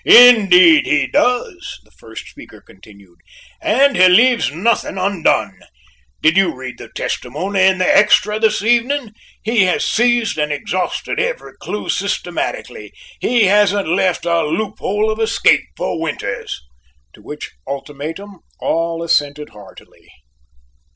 "Indeed he does," the first speaker continued, "and he leaves nothing undone. Did you read the testimony in the 'Extra' this evening? He has seized and exhausted each clue systematically. He hasn't left a loophole of escape for Winters." To which ultimatum, all assented heartily.